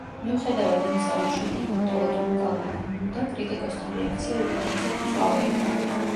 მიუხედავად იმისა, რომ შედეგი უდავოდ უნიკალური გამოვიდა, კრიტიკოსთა რეაქცია უკიდურესად მწვავე იყო.